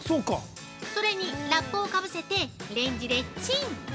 それにラップにかぶせてレンジでチン！